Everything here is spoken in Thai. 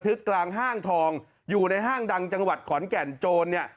กลางห้างทองอยู่ในห้างดังจังหวัดขอนแก่นโจรเนี่ย